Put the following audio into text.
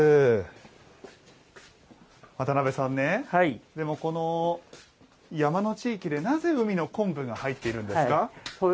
渡邊さん、この山の地域でなぜ海の昆布が入ってるんですか。